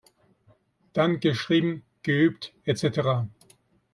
Dann geschrieben, geübt, etc.